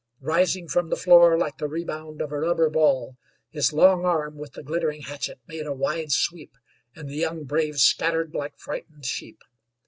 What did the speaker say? Rising from the floor like the rebound of a rubber ball, his long arm with the glittering hatchet made a wide sweep, and the young braves scattered like frightened sheep.